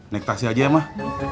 naik taksi aja ya mah